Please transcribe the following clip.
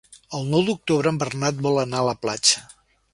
El nou d'octubre en Bernat vol anar a la platja.